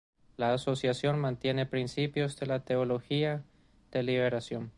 La asociación mantiene principios de la Teología de la Liberación.